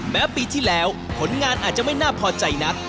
แม้ปีที่แล้วผลงานอาจจะไม่น่าพอใจนัก